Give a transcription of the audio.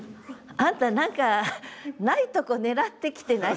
あんた何かないとこ狙ってきてない？